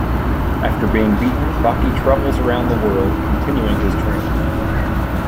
After being beaten, Baki travels around the world continuing his training.